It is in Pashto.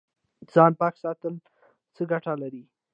ځان پاک ساتل څه ګټه لري؟